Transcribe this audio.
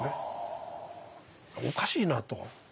おかしいなと。